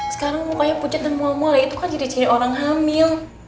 sekarang mukanya pucat dan mual mual itu kan jadi orang hamil